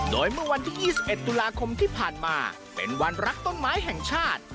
โดยเมื่อวันที่๒๑ตุลาคมที่ผ่านมาเป็นวันรักต้นไม้แห่งชาติ